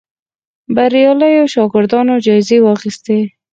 بریالیو شاګردانو جایزې واخیستې